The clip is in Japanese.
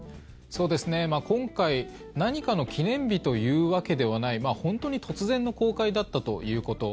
今回何かの記念日というわけではない本当に突然の公開だったということ。